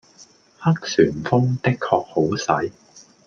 黑旋風的確好使